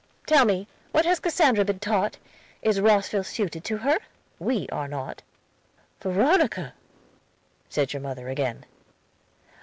"'Tell me, what has Cassandra been taught? Is Rosville suited to her? We are not.' "'Veronica!' said your mother again.